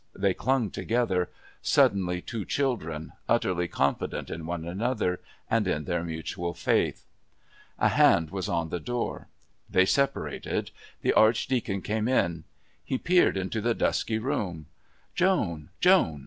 They clung together, suddenly two children, utterly confident in one another and in their mutual faith. A hand was on the door. They separated. The Archdeacon came in. He peered into the dusky room. "Joan! Joan!